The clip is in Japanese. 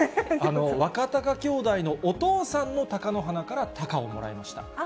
若貴兄弟のお父さんの貴ノ花から貴をもらいました。